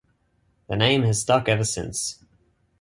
The name has stuck ever since.